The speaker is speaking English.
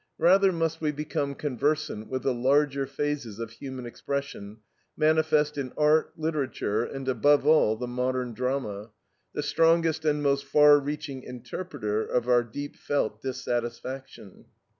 Rather must we become conversant with the larger phases of human expression manifest in art, literature, and, above all, the modern drama the strongest and most far reaching interpreter of our deep felt dissatisfaction.